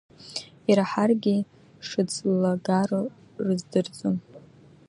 Ираҳаргьы шыӡлагароу рыздырӡом…